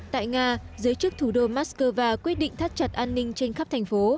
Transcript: tại nga giới chức thủ đô moscow quyết định thắt chặt an ninh trên khắp thành phố